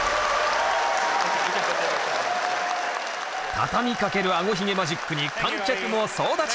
畳みかけるあごひげマジックに観客も総立ち。